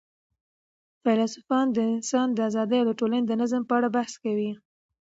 فیلسوفان د انسان د آزادۍ او د ټولني د نظم په اړه بحث کوي.